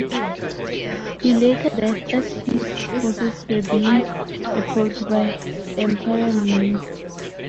He later died as his forces were being repelled by Emperor Ming.